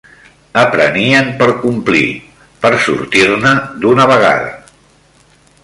Aprenien per complir; per sortir-ne d'una vegada